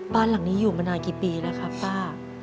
บ้านหลังนี้อยู่มานานกี่ปีแล้วครับป้า